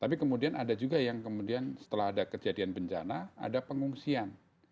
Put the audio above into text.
tapi kemudian ada juga yang kemudian setelah ada kejadian bencana ada pengungsian